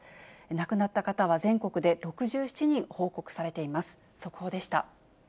亡くなった方は全国で６７人報告されています。